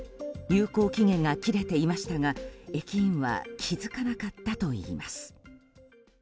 有効期限が切れていましたが駅員は気づかなかったといいます。